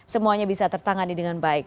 semuanya bisa tertangani dengan baik